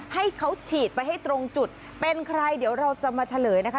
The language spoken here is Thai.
ให้เขาฉีดไปให้ตรงจุดเป็นใครเดี๋ยวเราจะมาเฉลยนะคะ